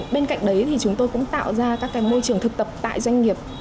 bên cạnh đấy thì chúng tôi cũng tạo ra các môi trường thực tập tại doanh nghiệp